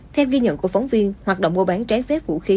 theo ghi nhận của phóng viên hoạt động mua bán trái phép vũ khí